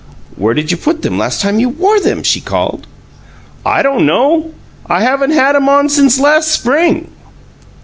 "Where did you put them the last time you wore them?" she called. "I don't know. I haven't had 'em on since last spring."